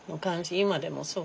今でもそう。